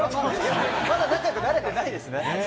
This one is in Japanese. まだ仲よくなれてないですね。